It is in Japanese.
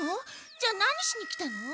じゃあ何しに来たの？